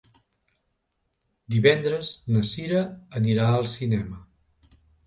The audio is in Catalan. Divendres na Cira anirà al cinema.